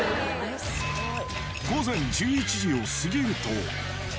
午前１１時を過ぎると。